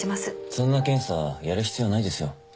そんな検査やる必要ないですよ